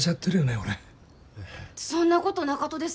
俺そんなことなかとです